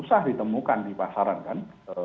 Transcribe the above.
susah ditemukan di pasaran kan